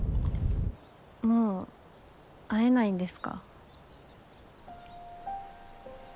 もう会えないんですか？